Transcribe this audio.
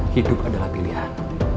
hidup adalah pilihan